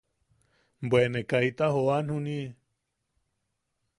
Bwe ne kaita jooan juniʼi.